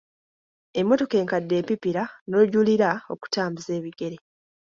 Emmotoka enkadde epipira n'ojulira okutambuza ebigere.